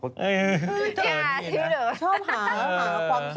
มีลชอบแหมา